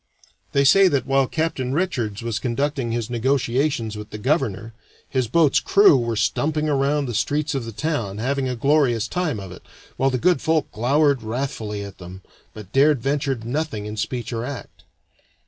They say that while Captain Richards was conducting his negotiations with the governor his boat's crew were stumping around the streets of the town, having a glorious time of it, while the good folk glowered wrathfully at them, but dared venture nothing in speech or act.